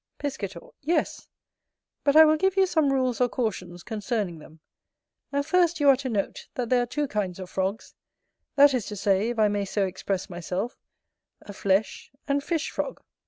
Piscator. Yes, but I will give you some rules or cautions concerning them. And first you are to note, that there are two kinds of frogs, that is to say, if I may so express myself, a flesh and fish frog.